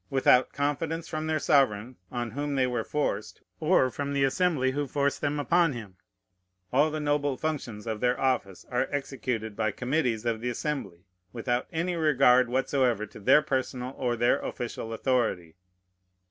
Without confidence from their sovereign on whom they were forced, or from the Assembly who forced them upon him, all the noble functions of their office are executed by committees of the Assembly, without any regard whatsoever to their personal or their official authority.